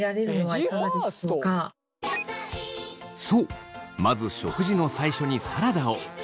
そうまず食事の最初にサラダを！